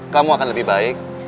kamu akan lebih baik